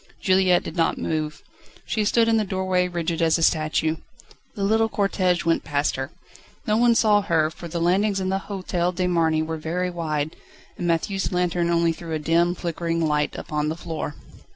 Juliette did not move. She stood in the doorway rigid as a statue. The little cortège went past her. No one saw her, for the landings in the Hotel de Marny are very wide, and Matthieu's lantern only threw a dim, flickering light upon the floor.